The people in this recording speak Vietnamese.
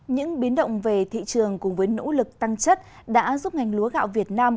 những biến động về thị trường cùng với nỗ lực tăng chất đã giúp ngành lúa gạo việt nam